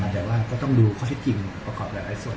แต่ว่าก็ต้องดูข้อเท็จจริงประกอบหลายส่วน